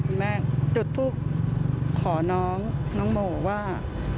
คุณแม่จุดพลุกขอน้องน้องโหมว่า